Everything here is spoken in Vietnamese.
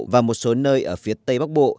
và một số nơi ở phía tây bắc bộ